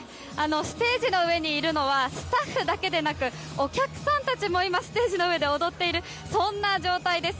ステージの上にいるのはスタッフだけでなくお客さんたちもステージの上で踊っているそんな状態です。